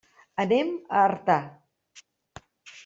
Anem a Artà.